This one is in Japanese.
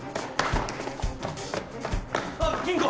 あっ吟子！